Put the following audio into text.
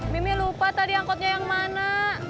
mimi lupa tadi angkotnya yang mana